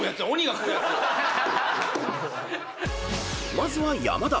［まずは山田。